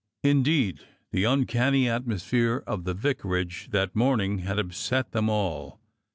Indeed the uncanny atmosphere of the vicarage that morning had upset them all.